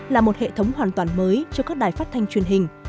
là một hệ thống hoàn toàn mới cho các đài phát thanh truyền hình